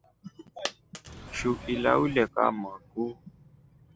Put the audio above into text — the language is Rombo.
Kishu Kilya ule kama kuu.